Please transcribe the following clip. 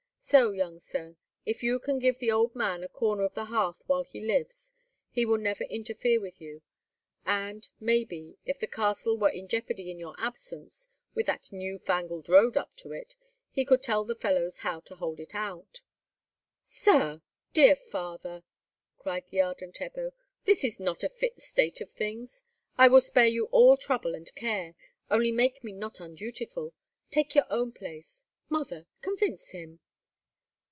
So, young Sir, if you can give the old man a corner of the hearth while he lives, he will never interfere with you. And, maybe, if the castle were in jeopardy in your absence, with that new fangled road up to it, he could tell the fellows how to hold it out." "Sir—dear father," cried the ardent Ebbo, "this is not a fit state of things. I will spare you all trouble and care; only make me not undutiful; take your own place. Mother, convince him!"